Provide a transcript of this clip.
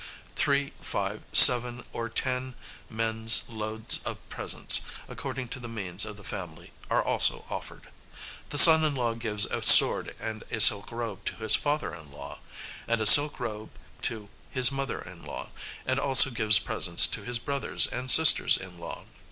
Three, five, seven, or ten men's loads of presents, according to the means of the family, are also offered. The son in law gives a sword and a silk robe to his father in law, and a silk robe to his mother in law, and also gives presents to his brothers and sisters in law.